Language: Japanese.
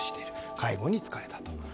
介護に疲れたと。